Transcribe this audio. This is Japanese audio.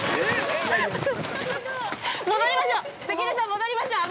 戻りましょう！